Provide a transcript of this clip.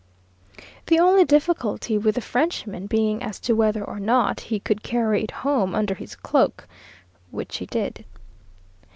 the only difficulty with the Frenchman being as to whether or not he could carry it home under his cloak, which he did.